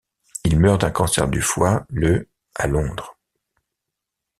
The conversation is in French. Il meurt d'un cancer du foie le à Londres.